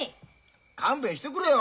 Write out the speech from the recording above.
勘弁してくれよ！